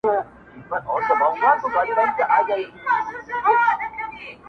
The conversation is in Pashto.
په هغې باندي چا کوډي کړي.